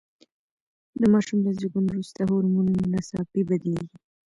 د ماشوم له زېږون وروسته هورمونونه ناڅاپي بدلیږي.